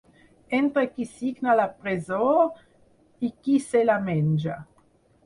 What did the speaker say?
Entre qui signa la presó i qui se la menja.